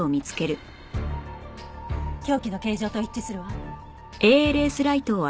凶器の形状と一致するわ。